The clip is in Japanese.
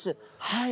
はい。